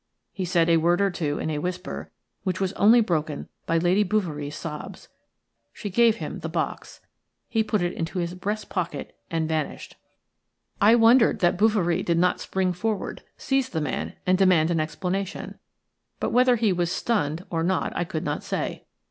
He said a word or two in a whisper, which was only broken by Lady Bouverie's sobs. She gave him the box; he put it into his breast pocket and vanished. "A MAN WITH A MASK OVER HIS FACE APPROACHED HER." I wondered that Bouverie did not spring forward, seize the man, and demand an explanation; but whether he was stunned or not I could not say.